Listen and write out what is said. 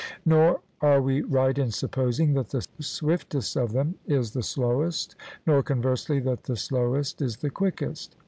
Nor are we right in supposing that the swiftest of them is the slowest, nor conversely, that the slowest is the quickest.